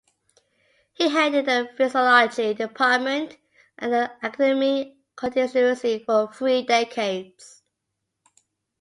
He headed the physiology department at the Academy continuously for three decades.